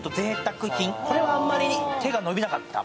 これはあんまり手が伸びなかった。